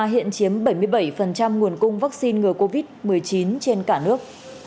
hiện chiếm bảy mươi bảy nguồn cung vaccine ngừa covid một mươi chín trên cả nước